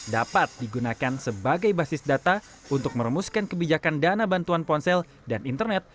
dapat digunakan sebagai basis data untuk merumuskan kebijakan dana bantuan ponsel dan internet